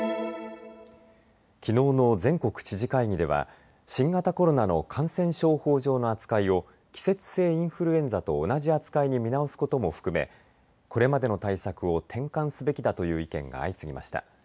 きのうの全国知事会議では新型コロナの感染症法上の扱いを季節性インフルエンザと同じ扱いに見直すことも含め、これまでの対策を転換すべきだという意見が相次ぎました。